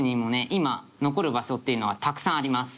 今残る場所っていうのはたくさんあります。